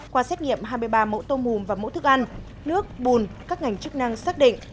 qua xét nghiệm hai mươi ba mẫu tôm mùn và mẫu thức ăn nước bùn các ngành chức năng xác định